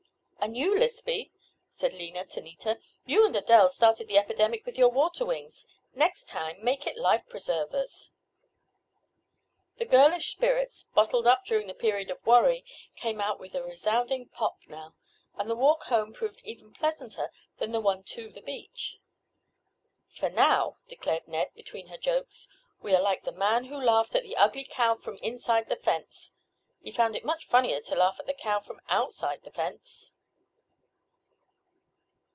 "And you, Lispy," said Lena to Nita. "You and Adele started the epidemic with your water wings. Next time make it life preservers." The girlish spirits, "bottled up" during the period of worry came out with a resounding "pop" now, and the walk home proved even pleasanter than the one to the beach. "For now," declared Ned, between her jokes, "we are like the man who laughed at the ugly cow from inside the fence—he found it much funnier to laugh at the cow from outside the fence."